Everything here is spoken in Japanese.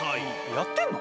やってんの？